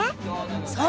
そう！